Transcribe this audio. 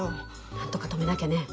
何とか止めなきゃね。